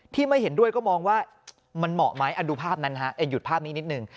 ไม่เห็นด้วยก็มองว่ามันเหมาะไหมดูภาพนั้นฮะหยุดภาพนี้นิดนึง